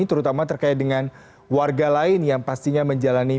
terutama terkait dengan warga lain yang pastinya menjalani